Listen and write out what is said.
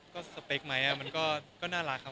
ก็สเปคไหมมันก็น่ารักครับ